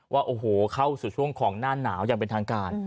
ว่าโอ้โหเข้าสู่ช่วงของหน้าหนาวอย่างเป็นทางการ